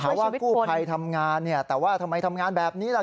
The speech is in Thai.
ว่ากู้ภัยทำงานเนี่ยแต่ว่าทำไมทำงานแบบนี้ล่ะ